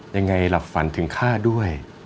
ยังไงหลับฝันถึงฆ่าด้วย